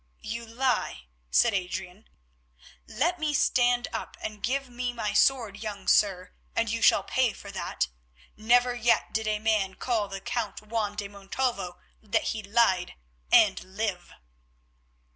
"You lie," said Adrian. "Let me stand up and give me my sword, young sir, and you shall pay for that. Never yet did a man tell the Count Juan de Montalvo that he lied, and live."